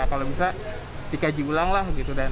kalau bisa dikaji ulang lah gitu